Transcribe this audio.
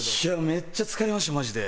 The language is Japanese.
めっちゃ疲れましたマジで。